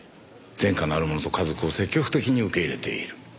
前科のある者と家族を積極的に受け入れている。